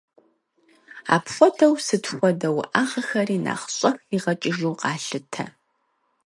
Апхуэдэу сыт хуэдэ уӏэгъэхэри нэхъ щӏэх игъэкӏыжу къалъытэ.